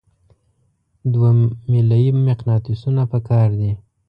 دوه میله یي مقناطیسونه پکار دي.